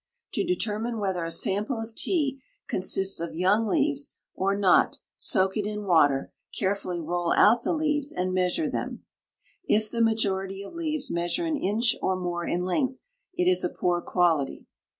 To determine whether a sample of tea consists of young leaves or not soak it in water, carefully roll out the leaves, and measure them. If the majority of leaves measure an inch or more in length it is a poor quality.